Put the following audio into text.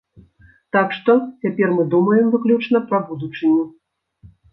Так што, цяпер мы думаем выключна пра будучыню.